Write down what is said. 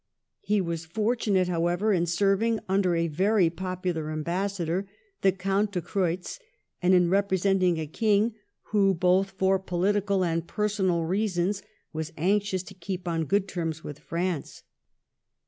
He was fortunate, however, in serving under a very popular ambassador, the Count de Creutz ; and in representing a king who, both for political and personal reasons, was anxious to keep on good terms with France.